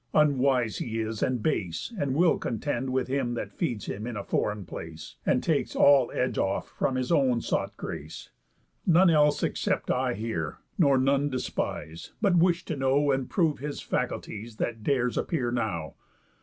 Unwise he is, and base, that will contend With him that feeds him in a foreign place; And takes all edge off from his own sought grace. None else except I here, nor none despise, But wish to know, and prove his faculties, That dares appear now.